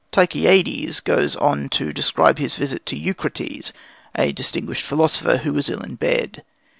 Tychiades goes on to describe his visit to Eucrates, a distinguished philosopher, who was ill in bed.